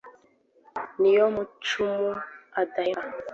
. Ni yo macumu adahemba